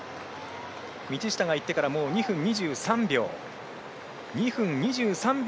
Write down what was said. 道下がいってから２分２３秒。